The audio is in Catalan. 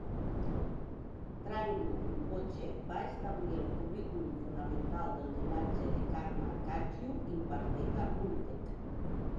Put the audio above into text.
Thrangu Rinpoche va establir el currículum fonamental del llinatge de Karma Kagyu impartit a Rumtek.